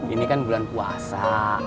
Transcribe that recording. ini kan bulan puasa